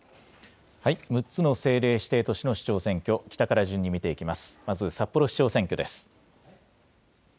６つの政令指定都市の市長選挙、北から順にみていきます。